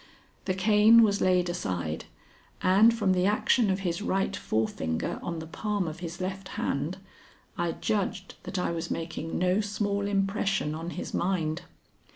The cane was laid aside, and from the action of his right forefinger on the palm of his left hand I judged that I was making no small impression on his mind.